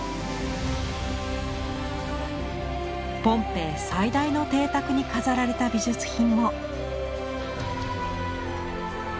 ポンペイ最大の邸宅に飾られた美術品も。